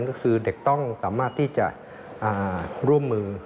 ก็คือเด็กต้องสามารถที่จะร่วมมือ